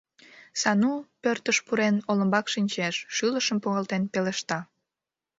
Сану, пӧртыш пурен, олымбак шинчеш, шӱлышым погалтен пелешта: